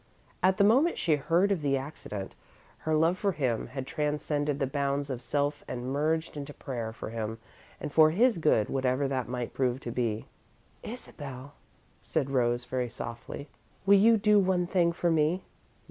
At the moment she heard of the accident, her love for him had transcended the bounds of self and merged into prayer for him and for his good, whatever that might prove to be. "Isabel," said Rose, very softly, "will you do one thing for me?"